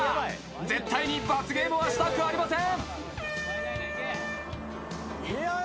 絶対に罰ゲームはしたくありません。